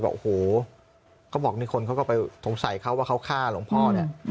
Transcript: บอกโอ้โหเขาบอกนี่คนเขาก็ไปสงสัยเขาว่าเขาฆ่าหลวงพ่อเนี่ย